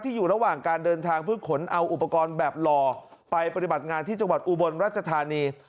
อยู่ระหว่างการเดินทางเพื่อขนเอาอุปกรณ์แบบหล่อไปปฏิบัติงานที่จังหวัดอุบลรัชธานี